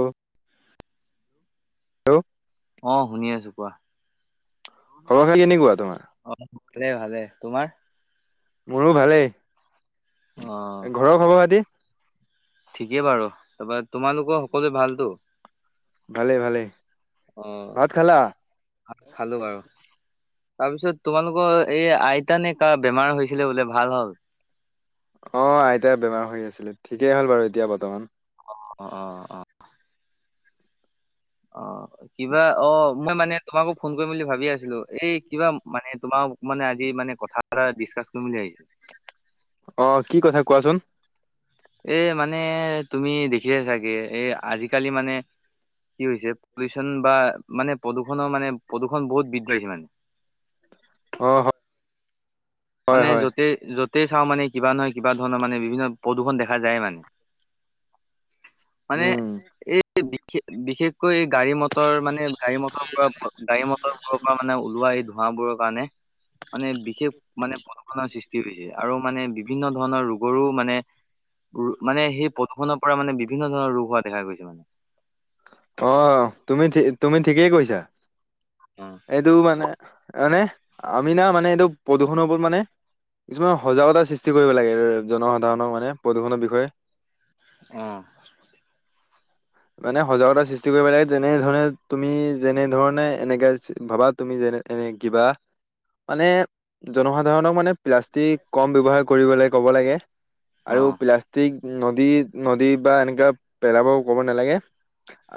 অ'। অ' শুনি আছোঁ কোৱা। খবৰ-খাতি কেনেকুৱা তোমাৰ? ভালেই ভালেই, তোমাৰ? মোৰো ভালেই অ ঘৰৰ খবৰ-খাতি? ঠিকেই বাৰু। তাৰপৰা তোমালোকৰ সকলোৰে ভালতো? ভালে ভালেই। অ ভাত খালা? খালো বাৰু। তাৰপিছত তোমালোকৰ এই আইতানে কাৰ বেমাৰ হৈছিলে বোলে, ভাল হ'ল? অ' আইতাই। বেমাৰ হৈ আছিলে, ঠিকেই হ'ল বাৰু এতিয়া বৰ্তমান। অ' অ' অ'। অ' কিবা অ মই মানে। তোমাকো ফোন কৰিম বুলি ভাবি আছিলো, এই কিবা মানে তোমাক মানে আজি মানে কথা এটা ডিছকাছ কৰিম বুলি ভাবিছিলোঁ। অ' কি কথা কোৱাচোন। এ মানে তুমি দেখিছা চাগে এ আজিকালি মানে কি হৈছে? পলিউচন বা মানে প্ৰদূষণৰ মানে প্ৰদূষণ বহুত বৃদ্ধি পাইছে মানে। অ [unintelligible] হয় মানে হয়। য'তেই-য'তেই চাওঁ মানে, কিবা নহয় কিবা ধৰণৰ মানে বিভিন্ন। প্ৰদূষণ দেখা যায় মানে। মানে উম, এই বিশেষ, বিশেষকৈ এই গাড়ী-মটৰ মানে গাড়ী-মটৰ, গাড়ী মটৰবোৰৰ পৰা মানে। ওলোৱা এই ধোঁৱাবোৰৰ কাৰণে। মানে বিশেষ মানে প্ৰদূষণৰ সৃষ্টি হৈছে। আৰু মানে বিভিন্ন ধৰণৰ ৰোগৰো মানে। মানে সেই পথখনৰ পৰা মানে বিভিন্ন ধৰণৰ ৰোগ হোৱা দেখা গৈছে মানে। অ' তুমি তুমি ঠিকেই কৈছা। অ', এইটো মানে, মানে আমি না মানে এইটো প্ৰদূষণৰ ওপৰত মানে। কিছুমান সজাগতা সৃষ্টি কৰিব লাগে। জনসাধাৰণক মানে প্ৰদূষণৰ বিষয়ে অ'। মানে সজাগতা সৃষ্টি কৰিব লাগে, যেনেধৰণে তুমি যেনেধৰণে এনেকে ভাবা তুমি যে। এ এনে কিবা। মানে জনসাধাৰণক মানে, প্লাষ্টিক কম ব্যৱহাৰ কৰিবলৈ ক'ব লাগে। আৰু অ', প্লাষ্টিক নদী-নদী বা এনেকুৱা পেলাব ক'ব নালাগে।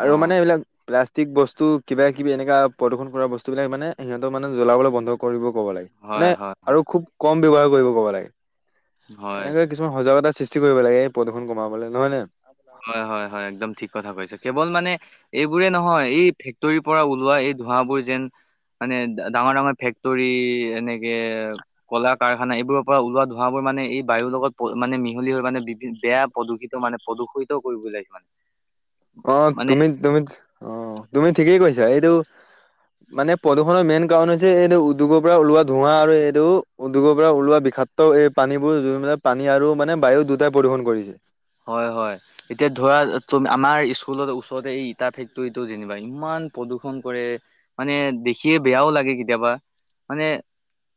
আৰু মানে অ', এইবিলাক প্লাষ্টিক। বস্তু কিবাকিবি এনেকুৱা প্ৰদূষণ কৰা বস্তুবিলাক মানে, সিহঁতৰ মানে জ্বলাবলৈ বন্ধ কৰিব। হয়, হয়, হয়, আৰু খুব কম ব্যৱহাৰ কৰিব ক'ব লাগে। হয়। এনেকে কিছুমান সজাগতা সৃষ্টি কৰিব লাগে। এই প্ৰদূষণ কমাবলৈ নহয় নে? হয় হয় হয়। একদম ঠিক কথা কৈছে। কেৱল মানে এইবোৰে নহয়, এই ফেক্টৰীৰ পৰা ওলোৱা এই ধোঁৱাবোৰ যেন। মানে ডাঙৰ-ডাঙৰ ফেক্টৰী, এনেকে কলা-কাৰখানা, এইবোৰৰ পৰা ওলোৱা ধোৱাবোৰ মানে এই বায়ুৰ লগত মানে মিহলি হৈ মানে। বেয়া প্ৰদূষিত মানে, প্ৰদূষিত কৰিবলৈ লাগিছে মানে অ' মানে তুমি তুমি, অ' তুমি ঠিকেই কৈছা। এইটো মানে প্ৰদূষণৰ মেইন কাৰণ হৈছে এইটো উদ্যোগৰ পৰা ওলোৱা ধোঁৱা আৰু এইটো উদ্যোগৰ পৰা ওলোৱা বেক্ট খাতো, এই পানীবোৰ জুই মেলাই পানী আৰু মানে বায়ু দুটাই প্ৰদূষণ কৰিছে। হয়-হয়, এতিয়া ধৰা তুমি আমাৰ স্কুলত ওচৰতে এই ইটা ফেক্টৰীটো যেনিবা ইমান প্ৰদূৰষণ কৰে, মানে দেখিয়ে বেয়াও লাগে। কেতিয়াবা, মানে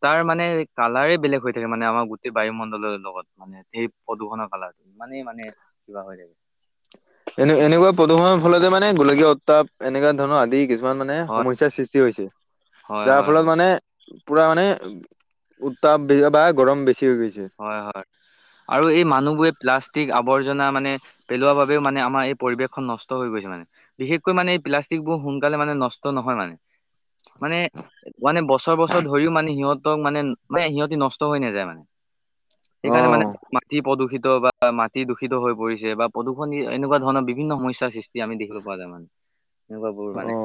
তাৰ মানে কালাৰে বেলেগ হৈ থাকে, মানে আমাৰ সেই বায়ুমণ্ডলৰ লগত, মানে সেই প্ৰদূষণৰ কালাৰটো, ইমানে মানে কিবা হৈ থাকে। এনে, এনেকুৱা প্ৰদূষণৰ ফলতে মানে গোলকীয়া উত্তাপ, এনেকুৱা ধৰণৰ আদি কিছুমান। কিছুমান মানে হয় সমস্যাৰ সৃষ্টি হৈছে, হয় যাৰ হয় ফলত হয় মানে পুৰা মানে উত্তাপ বেগ বা গৰম বেছি। হৈ গৈছে হয়-হয়, আৰু এই মানুহবোৰে প্লাষ্টিক আৱৰ্জনা মানে পেলোৱা বাবেও মানে আমাৰ এই পৰিৱেশখন নষ্ট হৈ গৈছে মানে, বিশেষকৈ মানে এই প্লাষ্টিক বোৰ সোনকালে মানে নষ্ট নহয় মানে-মানে- মানে বছৰ-বছৰ ধৰিও মানে সিহঁত মানে-মানে সিহঁতি নষ্ট হৈ নাযায় মানে। অ সেইকাৰণে মানে মাটি প্ৰদূষিত। বা মাটি দূষিত হৈ পৰিছে বা প্ৰদূষণি এনেকুৱা ধৰণৰ বিভিন্ন সমস্যাৰ সৃষ্টি আমি দেখিব পোৱা যায় মানে। এনেকুৱা বোৰ অ মানে।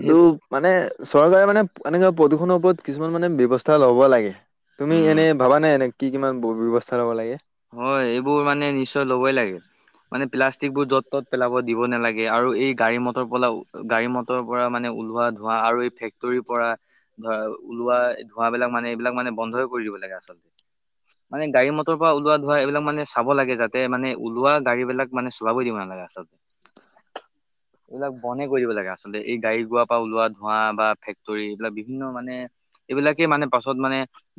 কিন্তু, সেই মানে চৰকাৰে মানে এনেকা প্ৰদূষণৰ ওপৰত কিছুমান মানে ব্যৱস্থা ল'ব লাগে। তুমি এনেই উম, ভাবা নে, এনে কি কিমান ব্যৱস্থা ল'ব লাগে? হয়, এইবোৰ মানে নিশ্চয় ল'বই লাগে। মানে প্লাষ্টিকবোৰ য'ত-ত'ত পেলাব দিব নালাগে। আৰু এই গাড়ী-মটৰ পৰাও, গাড়ী-মটৰ পৰা মানে ওলোৱা [unintelligible] ধোৱা আৰু এই ফেক্টৰীৰ পৰা [inaudible] ধোৱা ওলোৱা, ধোঁৱাবিলাক মানে এইবিলাক মানে বন্ধই কৰি দিব লাগে আচলতে, [inaudible] মানে গাড়ী মটৰ [unintelligible] [unintelligible] ওলোৱা ধোৱা, এইবিলাক মানে চাব লাগে যাতে মানে ওলোৱা গাড়ীবিলাক মানে চলাব দিব নালাগে আচলতে। [inaudible] এইবিলাক বনে কৰি দিব লাগে আচলতে, এই গাড়ী-ঘোঁৰা পৰা ওলোৱা ধোঁৱা বা ফেক্টৰী এইবিলাক বিভিন্ন মানে [inaudible] এইবিলাকে মানে, পাছত মানে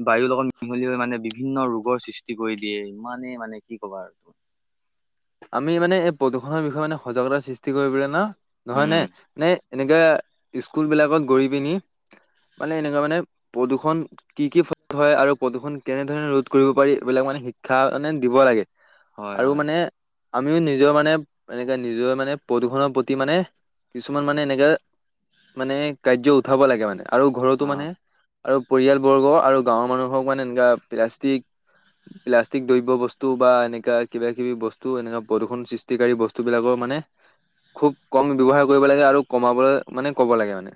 বায়ুৰ লগত মিহলি হৈ মানে বিভিন্ন ৰোগৰ সৃষ্টি [unintelligible] সৃষ্টি কৰি দিয়ে। ইমানেই মানে কি ক'বা আৰু আমি মানে এই প্ৰদূষণৰ বিষয়ে মানে সজাগতা সৃষ্টি কৰিবলৈ ন, নহয় নে, উম নে এনেকা স্কুল বিলাকত গৈ পিনি মানে, এনেকুৱা মানে প্ৰদূৰ্ষণ কি কি ফলত হয় আৰু প্ৰদূৰ্ষণ কেনেধৰণে ৰোধ কৰিব পাৰি এইবিলাক মানে শিক্ষা মানে দিব লাগে, হয় আৰু হয় মানে আমিও নিজৰ মানে [unintelligible] মানে এনেকা নিজৰ মানে প্ৰদূষণৰ প্ৰতি মানে কিছুমান মানে এনেকে মানে কাৰ্য উঠাব লাগে মানে, আৰু ঘৰতো অ মানে আৰু পৰিয়াল বৰ্গ আৰু গাঁৱৰ মানুহক মানে এনেকুৱা প্লাষ্টিক প্লাষ্টিক দ্ৰব্য বস্তু বা এনেকা কিবা কিবি বস্তু [unintelligible] এনে প্ৰদূষণ সৃষ্টিকাৰী বস্তুবিলাকৰ মানে খুব কম ব্যৱহাৰ কৰিব লাগে আৰু কমাবলৈ মানে ক'ব লাগে মানে,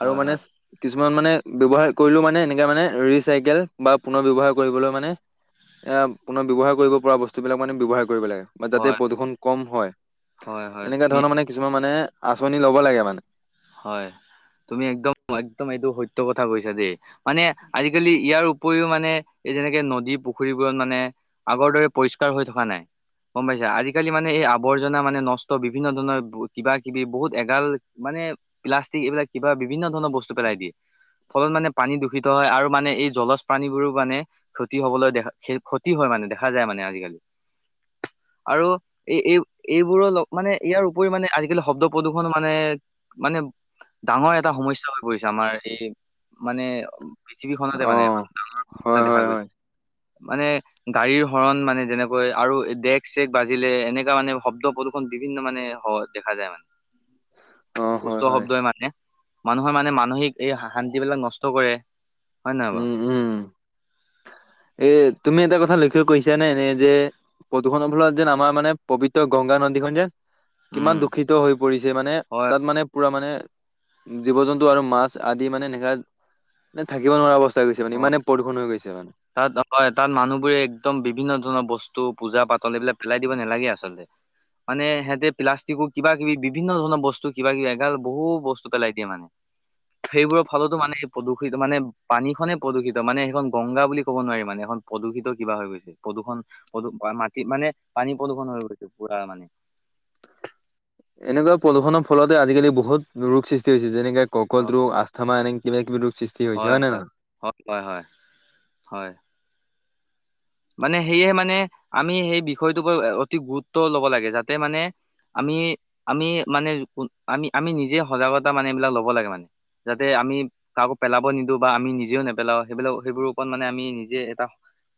আৰু মানে হয় কি কিছুমান মানে ব্যৱহাৰ কৰিলেও মানে এনেকা মানে ৰিচাইকেল বা পুনৰ ব্যৱহাৰ কৰিবলৈ মানে এ পুনৰ ব্যৱহাৰ কৰিব পৰা বস্তু বিলাক মানে ব্যৱহাৰ কৰিব লাগে। বা যাতে হয় প্ৰদূষণ কম হয়। হয় হয় এনেকা তুমি ধৰণৰ মানে, কিছুমান মানে আঁচনি ল'ব লাগে মানে [unintelligible] হয়, তুমি একদম-একদম এইটো সত্য কথা কৈছা দেই, মানে আজিকালি ইয়াৰ উপৰিও মানে এই যেনেকে নদী পুখুৰীবোৰত মানে আগৰ দৰে পৰিষ্কাৰ হৈ থকা নাই। গম পাইছা, আজিকালি মানে এই আৱৰ্জনা মানে নষ্ট বিভিন্ন ধৰণৰ কিবা-কিবি বহুত এগাল মানে প্লাষ্টিক এইবিলাক কিবা বিভিন্ন ধৰণৰ বস্তু পেলাই দিয়ে, ফলত মানে পানী দূষিত হয় আৰু মানে এই জলজ প্ৰাানীবোৰো মানে ক্ষতি হবলৈ দেখা ক্ষতি হয় মানে, দেখা যায় মানে আজিকালি। আৰু এই-এই-এইবোৰৰ লগ মানে ইয়াৰ উপৰি মানে আজিকালি শব্দ প্ৰদূৰ্ষন মানে মানে ডাঙৰ এটা সমস্যা হৈ পৰিছে আমাৰ এই মানে পৃথিৱীখনতে মানে অ', এটা ডাঙৰ সমস্যা হয়, দেখা হয়, হয়, গৈছে। মানে গাড়ীৰ হৰণ মানে যেনেকৈ আৰু ডেক-চেক বাজিলে এনেকা মানে শব্দ প্ৰদূষণ বিভিন্ন মানে হয়‌ দেখা যায় মানে অ', উচ্চ হয়, হয়, শব্দই মানে - মানুহৰ মানে মানসিক এই শান্তিবিলাক নষ্ট কৰে হয় নে নহয় বাৰু? এ তুমি এটা কথা লক্ষ্য কৰিছা নে এনে যে প্ৰদূষণৰ ফলত যেন আমাৰ মানে পবিত্ৰ গংগা নদীখনন যে- কিমান উম দূষিত হৈ পৰিছে -মানে, হয় তাত মানে, পুৰা মানে- জীৱ জন্তু আৰু মাছ আদি মানে এনেকা থাকিব নোৱাৰা অৱস্থা। তাৰপিছত মানে হয় ইমানে প্ৰদূৰ্ষণ হৈ গৈছে, মানে তাত হয় তাত মানুহবোৰে একদম বিভিন্ন ধৰণৰ বস্তু বস্তু পূজা পাতল এইবিলাক পেলাই দিব নালাগে আচলতে মানে সিহঁতে প্লাষ্টিকো কিবা- কিবি বিভিন্ন ধৰণৰ বস্তু কিবা- কিবি এগাল বহু বস্তু পেলাই দিয়ে মানে সেইবোৰৰ ফলতো মানে প্ৰদূষিত মানে পানী প্ৰদূষিত মানে সেইখন গংগা বুলি ক'ব নোৱাৰি মানে এখন প্ৰদূষিত কিবা হৈ গৈছে প্ৰদূষণ প্ৰদূষ মাটি মানে পানী প্ৰদূষণ হৈ গৈছে পুৰা মানে। এনেকুৱা প্ৰদূষণৰ ফলতে আজিকালি বহুত ৰোগ সৃষ্টি হৈছে যেনেকে হয় কৰ্কট ৰোগ আস্থামা এনে কিবা কিবি ৰোগ, সৃষ্টি হৈছে হয় নে হয় নহয় হয় হয় হয়। মানে সেয়েহে মানে আমি সেই বিষয়টোক অতি গুৰুত্ব লব লাগে যাতে মানে আমি, আমি, মানে আমি, আমি নিজে সজাগতা মানে, এইবিলাক লব লাগে। মানে যাতে আমি কাকো পেলাব নিদিওঁ বা আমি নিজেও নেপেলাও সেইবিলাক সেইবোৰ ও মানে আমি নিজে এটা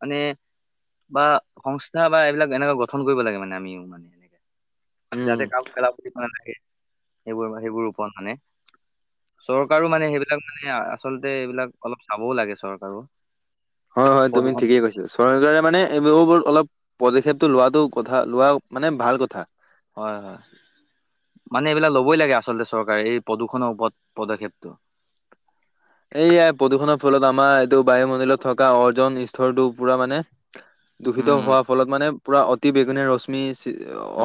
মানে। বা সংস্থা বা এইবিলাক এনেকুৱা গঠন কৰিব লাগে মানে আমিও মানে এনেকে উম যাতে কাম খেলা [unintelligible] সেইবোৰ-সেইবোৰ ওপৰত মানে চৰকাৰো মানে সেইবিলাক মানে আচলতে এইবিলাক অলপ চাবও লাগে চৰকাৰো হয় হয় তুমি প্ৰদূষণ ঠিকেই কৈছা। চৰকাৰে মানে এইবোৰত অলপ পদক্ষেপটো লোৱাটো কথা লোৱা মানে ভাল কথা। হয় হয়। মানে এইবিলাক ল'বই লাগে আচলতে চৰকাৰে এই প্ৰদূষণৰ ওপৰত পদক্ষেপটো। এইয়াই প্ৰদূষণৰ ফলত আমাৰ এইটো বায়ুমণ্ডলত থকা অৰ্জন স্তৰটো পুৰা মানে। দূষিত উম উম হোৱাৰ ফলত মানে পুৰা অতি বেঙুনীয়া ৰশ্মি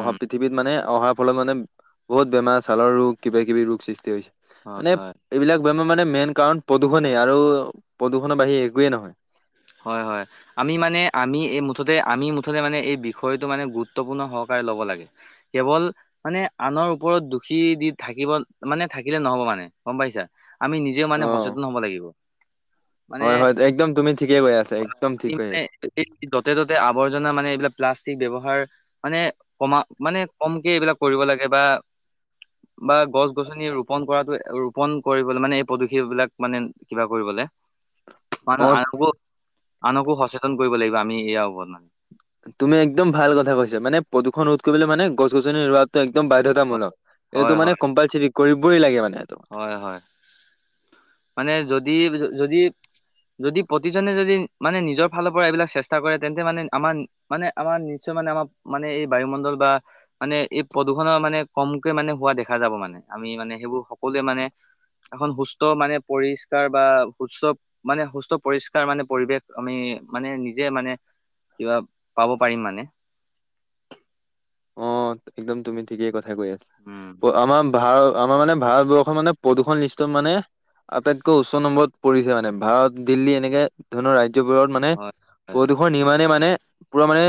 অহা পৃথিৱীত মানে অহা, সফল মানে [unintelligible] বহুত বেমাৰ ছালৰ ৰোগ কিবা-কিবি ৰোগ সৃষ্টি হৈছে হয় মানে হয় এইবিলাক বেমাৰ মানে মেইন কাৰণ প্ৰদূষণে আৰু প্ৰদূষণৰ বাহিৰে একোৱে নহয়। হয় হয় আমি মানে আমি এই আমি মুঠতে মানে এই বিষয়টো মানে গুৰুত্বপূৰ্ণ সহকাৰে ল'ব লাগে। কেৱল মানে আনৰ ওপৰত দুখী দি থাকিব মানে থাকিলে নহব মানে গম পাইছা। আমি নিজেও মানে অ সেচেতন হ'ব লাগিব। মানে হয় হয় একদম তুমি ঠিক ঠিকে কৈ আছা একদম কৈ মানে আছা এই যতে ততে আৱৰ্জনা মানে এইবিলাক প্লাছ ব্যৱহাৰ মানে কমা, মানে কমকে এইবিলাক কৰিব লাগে বা বা গছ-গছনি ৰোপন কৰাটো ৰোপন কৰিবলে মানে এই পদূষিবিলাক মানে কিবা কৰিবলে মানুহ অ আগ্ৰহ ইয়াৰ ওপৰত মানে তুমি একদম ভাল কথা কৈছা মানে। প্ৰদূষণ ৰোধ কৰিবলে মানে গছ গছনিৰ ৰোৱাতো একদম বাধ্যতামূলক এইটো হয় হয় মানে হয় কম্পালচৰি কৰিবই লাগে মানে। এইটো হ'য়, হ'য়, মানে যদি যদি যদি প্ৰতিজনে যদি মানে নিজৰ ফালৰ পৰা এইবিলাক চেষ্টা কৰে তেন্তে মানে আমাৰ মানে আমাৰ নিশ্চয় মানে আমাৰ মানে এই বায়ুমণ্ডল। মানে এই প্ৰদূষণৰ মানে কমকে মানে হোৱা দেখা যাব মানে আমি মানে সেইবোৰ কলে মানে এখন সুস্থ মানে পৰিষ্কাৰ বা সুস্থ মানে সুস্থ পৰিষ্কাৰ মানে পৰিৱেশ আমি মানে নিজে মানে কিবা পাব পাৰিম মানে অ একদম তুমি ঠিকেই কথা কৈ আছা উম আমাৰ ভা ত আমাৰ মানে ভাৰতবৰ্ষৰ মানে প্ৰদূষণ লিষ্ট মানে আটাইতকৈ উচ্চ নম্বৰত। পৰিছে মানে ভাৰত দিল্লী এনেকে ধৰণৰ ৰাজ্য ত মানে হয় প্ৰদূষণ নিণে মানে পুৰা মানে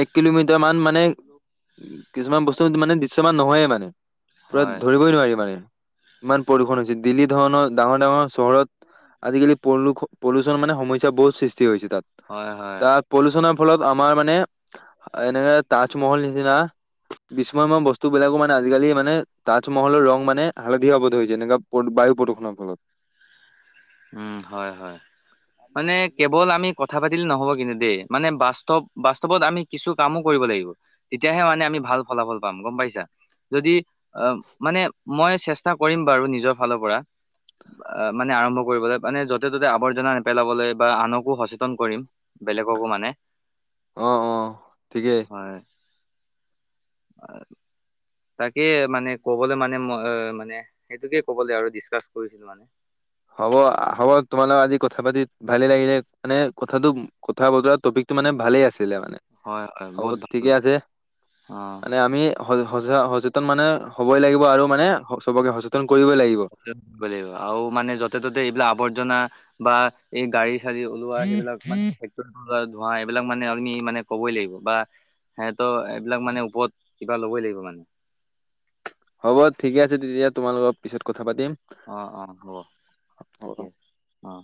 এক কিলোমিটাৰ মান মানে মানে উ কিছুমান বস্তু মানে দৃশ্যমান নহয়ে মানে। পুৰা হয় হয় ধৰিবই নোৱাৰি মানে ইমান প্ৰদূষণ হৈছে দিল্লীত ধৰণৰ ডাঙৰ-ডাঙৰ চহৰত আজিকালি পুলো-পুলোচন মানে সমস্যা বহুত সৃষ্টি হৈছে হয় হয় তাত-তাত পলুচনৰ ফলত আমাৰ মানে এনেকে তাজমহল নিছিনা বিস্ময়ময় বস্তুবিলাকো মানে আজিকালি মানে তাজমহলৰ ৰং মানে হালধীয়া হব ধৰিছে এনে বায়ু প্ৰদূষণৰ ফলত উম হয় হয়। মানে, কেৱল আমি কথা পাতিলে নহব কিন্তু দেই, মানে বাস্তৱ বাস্তৱত আমি কিছু কামো কৰিব লাগিব তেতিয়াহে মানে আমি ভাল ফলাফল পাম গম পাইছা। যদি অঁ, মানে মই চেষ্ট চেষ্টা কৰিম বাৰু নিজৰ ফালৰ পৰা মানে আৰ কৰিবলৈ মানে য'তে ত'তে আৱৰ্জনা নেপেলাবলৈ বা আনকো সচেতন কৰিম বেলেগকো মানে অ', অ', ঠিকেই। হয়। তাকে মানে কবলৈ মানে ম মানে। সেইটোকে ক'ব লাগ আৰু ডিচকাচ কৰিছিলো মানে। হ'ব হ'ব তোমালোক আজি কথা পাতি ভালে লাগিলে মানে কথাটো কথা বতৰা টপিকটো মানে। ভালেই আছিলে মানে, হয় হয় হব বহুত ভাল ঠিকে আছে অ'। মানে আমি। সচেতন মানে হ'বই লাগিব আৰু মানে সবকে সচেতন। কৰিবই লাগিব। স কৰিব লাগিব আৰু মানে য'তে ত'তে এইবিলাক আৱৰ্জনা বা এই গাড়ী ৰি ওলোৱা সবিলাক মানে ধোৱা এইবিলাক মানে আমি মানে ক'বই লাগিব বা। স তো এইবিলাক মানে ওপৰত কিবা ল'বই লাগিব মানে। হ'ব ঠিকে আছে তেতিয়া তোমালত পিছত কথা পাতিম। অঁ অঁ হ'ব হ'ব। ঠিকে আছে অঁ।